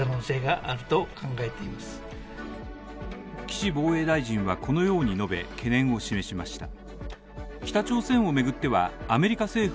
岸防衛大臣はこのように述べ、懸念を示しました。